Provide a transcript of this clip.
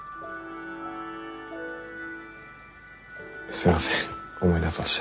すいません思い出さして。